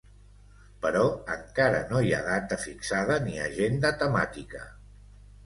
Però encara no hi ha data fixada ni agenda temàtica.